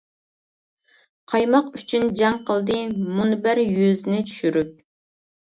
قايماق ئۈچۈن جەڭ قىلدى، مۇنبەر يۈزىنى چۈشۈرۈپ.